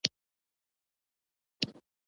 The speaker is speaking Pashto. دریشي د عمر کچه نه لري.